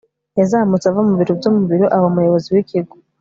yazamutse ava mu biro byo mu biro aba umuyobozi w'ikigo